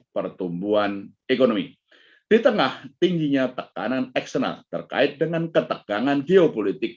pertumbuhan ekonomi di tengah tingginya tekanan eksternal terkait dengan ketegangan geopolitik